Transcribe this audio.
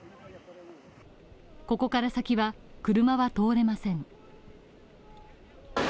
ここから先は、車は通れません。